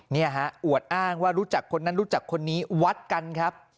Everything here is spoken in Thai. เนี่ยฮะอวดอ้างว่ารู้จักคนนั้นรู้จักคนนี้วัดกันครับ